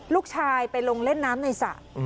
ลูกชายไปลงเล่นน้ำในสระ